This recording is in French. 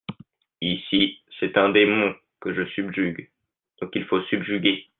Ici, c'est un démon que je subjugue, donc il faut subjuguer.